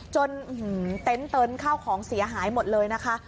จนเต้นเข้าของเสียหายหมดเลยนะคะ